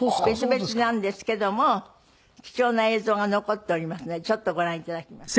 別々なんですけども貴重な映像が残っておりますのでちょっとご覧いただきます。